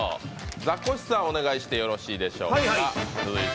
ザコシさん、お願いしてよろしいでしょうか。